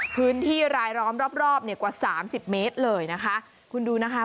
พื้นที่รายล้อมรอบรอบเนี่ยกว่าสามสิบเมตรเลยนะคะคุณดูนะคะ